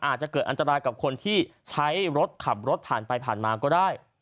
อาจจะเกิดอันตรายกับคนที่ใช้รถขับรถผ่านไปผ่านมาก็ได้